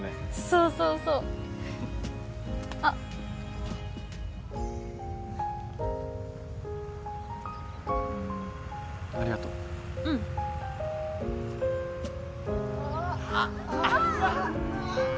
そうそうそうあっありがとううんあっあっ！